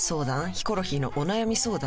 「ヒコロヒーのお悩み相談」